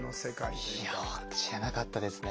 いやぁ知らなかったですね。